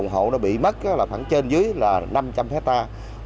cái vùng hộ nó bị mất là khoảng trên dưới là năm trăm linh hectare